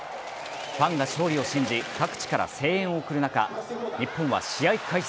ファンが勝利を信じ各地から声援を送る中日本は試合開始